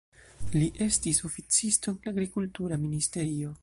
Li estis oficisto en la agrikultura ministerio.